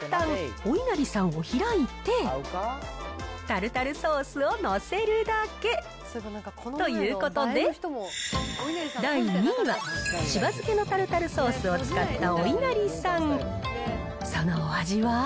お稲荷さんを開いて、タルタルソースを載せるだけ。ということで、第２位は、しば漬のタルタルソースを使ったお稲荷さん。